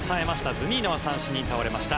ズニーノは三振に倒れました。